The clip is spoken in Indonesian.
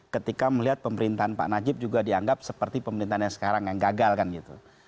ketika melihat pemerintahan pak najib juga dianggap seperti pemerintahan yang sekarang yang gagal kan gitu